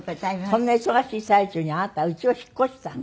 そんな忙しい最中にあなた家を引っ越したの？